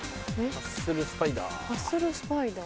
ハッスルスパイダー。